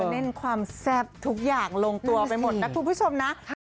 เล่นความแซ่บทุกอย่างลงตัวไปหมดนะคุณผู้ชมนะ